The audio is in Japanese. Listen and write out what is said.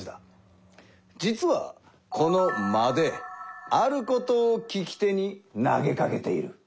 実はこの「間」であることを聞き手に投げかけている。